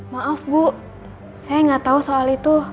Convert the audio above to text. maaf bu saya gak tau soal itu